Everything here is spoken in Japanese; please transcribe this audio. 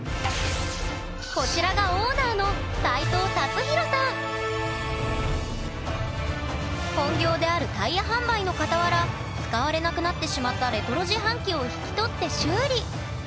こちらが本業であるタイヤ販売のかたわら使われなくなってしまったレトロ自販機を引き取って修理。